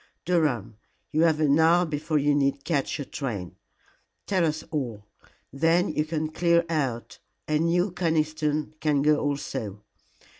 Durham, you have an hour before you need catch your train. Tell us all. Then you can clear out, and you, Conniston, can go also.